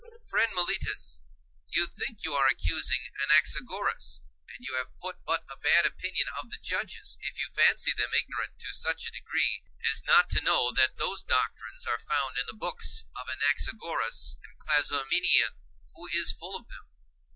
Friend Meletus, you think that you are accusing Anaxagoras; and you have but a bad opinion of the judges, if you fancy them ignorant to such a degree as not to know that those doctrines are found in the books of Anaxagoras the Clazomenian, who is full of them.